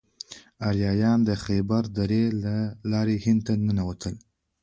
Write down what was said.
آریایان د خیبر درې له لارې هند ته ننوتل.